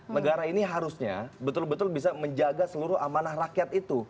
negara ini harusnya betul betul bisa menjaga seluruh amanah rakyat itu